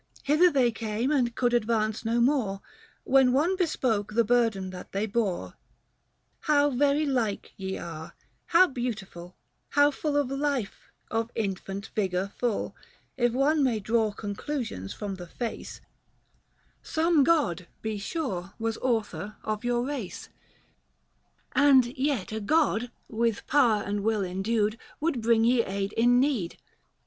405 Hither they came and could advance no more, When one bespoke the burden that they bore ;" How very like ye are — how beautiful — How full of life, of infant vigour full — If one may draw conclusions from the face 410 Some god, be sure, was author of your race : Book II. THE FASTI. 47 And yet a god, with power and will endued, Would bring ye aid in need.